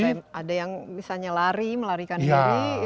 sampai ada yang misalnya lari melarikan diri itu sering terjadi